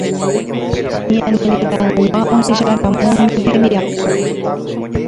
Ñane retãygua ohecharamo umi hembiapo.